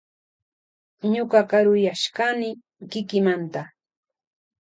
Ñuka karuyashkani kikimanta.